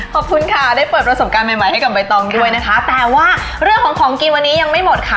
ขอบคุณค่ะได้เปิดประสบการณ์ใหม่ให้กับใบตองด้วยนะคะแต่ว่าเรื่องของของกินวันนี้ยังไม่หมดค่ะ